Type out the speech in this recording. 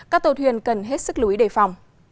các tàu thuyền cần hết sức lưu ý đề phòng